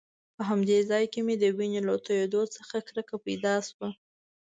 په همدې ځای کې مې د وینو له تويولو څخه کرکه پیدا شوه.